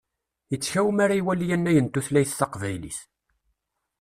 Ittkaw mi ara iwali annay n tutlayt taqbaylit.